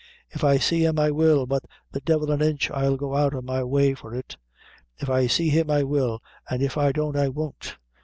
"If I see him I will, but the devil an inch I'll go out o' my way for it if I see him I will, an' if I don't I won't.